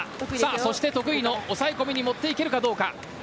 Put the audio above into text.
そして、得意の抑え込みに持っていけるかどうか。